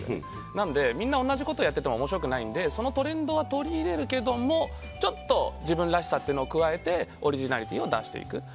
なのでみんな同じことやっていても面白くないのでそのトレンドは取り入れるけれどもちょっと自分らしさを加えてオリジナリティーを出していく。